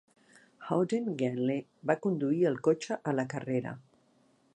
Howden Ganley va conduir el cotxe a la carrera.